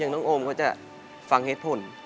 อย่างน้องโอมเขาจะฟังเหตุผล